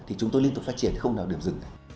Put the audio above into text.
thì chúng tôi liên tục phát triển không nào điểm dừng này